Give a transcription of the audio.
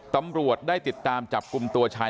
ตำรวจได้ติดตามจับกลุ่มตัวชาย